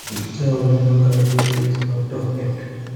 The original guidebook is out of print.